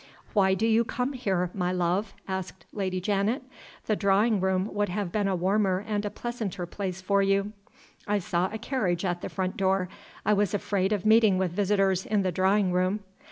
"Why do you come here, my love?" asked Lady Janet. "The drawing room would have been a warmer and a pleasanter place for you." "I saw a carriage at the front door. I was afraid of meeting with visitors in the drawing room."